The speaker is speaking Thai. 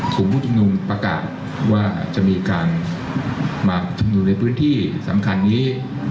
กลุ่มผู้ชุมนุมประกาศว่าจะมีการมาอยู่ในพื้นที่สำคัญนี้